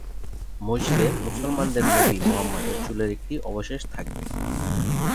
মসজিদে মুসলমানদের নবী মুহাম্মদের চুলের একটি অবশেষ থাকবে।